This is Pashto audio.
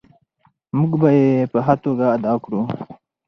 موږ به یې په ښه توګه ادا کړو.